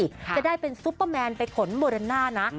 จะได้เป็นซุปเปอร์แมนไปขนโมเรน่านะ